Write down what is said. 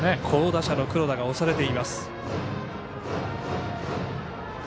好打者の黒田が押されています。